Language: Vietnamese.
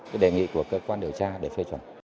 cái đề nghị của cơ quan điều tra để phê chuẩn